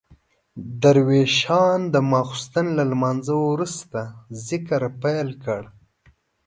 درویشان د ماخستن له لمانځه وروسته ذکر پیل کړ.